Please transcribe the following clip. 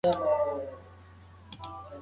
مسواک کارول د الله تعالی رضا حاصلوي.